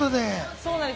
そうなんです。